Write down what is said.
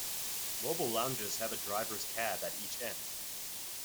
Mobile lounges have a driver's cab at each end.